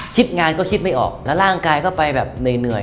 งานก็คิดไม่ออกแล้วร่างกายก็ไปแบบเหนื่อย